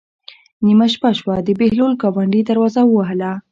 نیمه شپه شوه د بهلول ګاونډي دروازه ووهله.